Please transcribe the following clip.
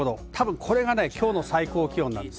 これが今日の最高気温です。